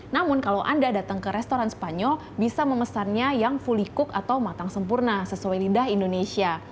namun kalau anda datang ke restoran spanyol bisa memesannya yang fully cook atau matang sempurna sesuai lidah indonesia